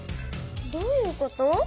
どういうこと？